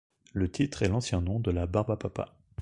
Le titre est l'ancien nom de la barbapapa.